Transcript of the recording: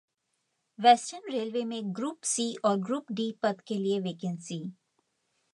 western railway में 'group C' और 'group D' पद के लिए वैकेंसी